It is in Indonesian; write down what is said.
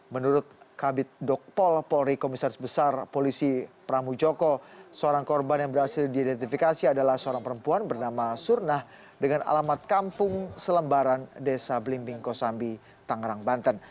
menurut kabit dokpol polri komisaris besar polisi pramujoko seorang korban yang berhasil diidentifikasi adalah seorang perempuan bernama surnah dengan alamat kampung selembaran desa blimbing kosambi tangerang banten